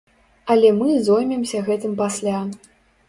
Але мы зоймемся гэтым пасля.